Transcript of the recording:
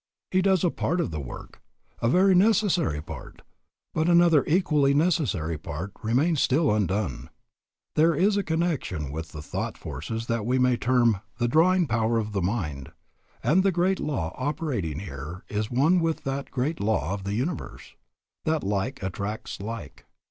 He does a part of the work, a very necessary part; but another equally necessary part remains still undone. There is in connection with the thought forces what we may term, the drawing power of mind, and the great law operating here is one with that great law of the universe, that like attracts like.